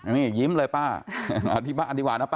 นี่ยิ้มเลยป้า